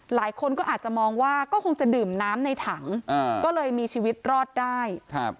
หลายคนก็อาจจะมองว่าก็คงจะดื่มน้ำในถังก็เลยมีชีวิตรอดได้ครับ